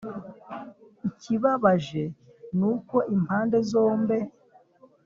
ikibabaje nuko impande zombe